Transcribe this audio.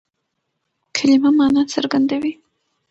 کلیمه مانا څرګندوي.